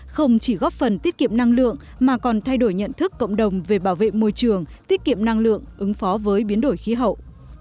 không chỉ góp phần tiết kiệm năng lượng mà còn thay đổi nhận thức cộng đồng về bảo vệ môi trường tiết kiệm năng lượng ứng phó với biến đổi khí hậu